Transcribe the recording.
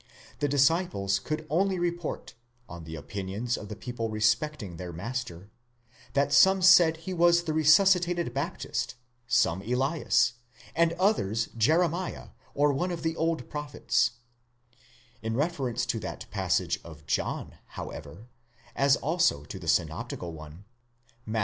the disciples could only report, on the opinions of the people respecting their master, that some said he was the resuscitated Baptist, some Elias, and others Jeremiah or one of the old prophets: in reference to that passage of John, however, as also to the synoptical one, Matt.